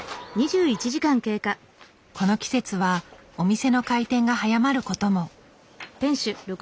この季節はお店の開店が早まることも。